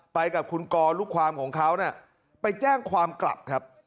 ไปกับคุณกรลูกความของเขาไปแจ้งความกลับครับ